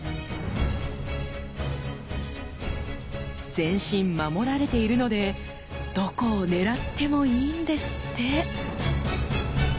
全身守られているのでどこを狙ってもいいんですって！